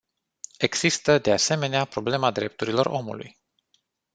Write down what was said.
Există, de asemenea, problema drepturilor omului.